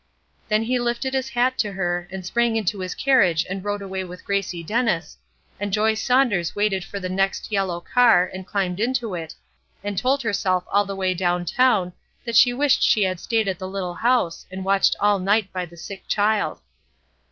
Then he lifted his hat to her, and sprang into his carriage and rode away with Gracie Dennis; and Joy Saunders waited for the next yellow car, and climbed into it, and told herself all the way down town that she wished she had stayed at the little house and watched all night by the sick child.